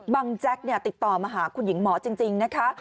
แจ๊กติดต่อมาหาคุณหญิงหมอจริงนะคะ